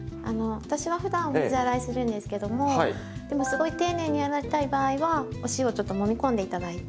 私はふだん水洗いするんですけどもすごい丁寧に洗いたい場合はお塩をちょっともみこんで頂いて。